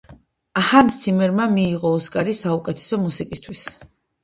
ჰანს ციმერმა მიიღო ოსკარი საუკეთესო მუსიკისთვის.